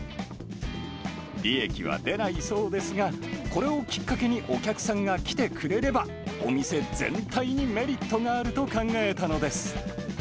利益は出ないそうですが、これをきっかけにお客さんが来てくれれば、お店全体にメリットがあると考えたのです。